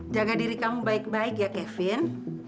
jaga diri kamu baik baik ya kevin